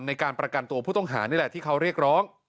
ในการประกันตัวผู้ต้องหานี่แหละที่เขาเรียกร้อง